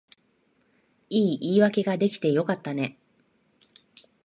いい言い訳が出来てよかったね